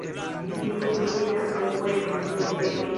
Ŝi publikis ankaŭ poemojn, novelojn.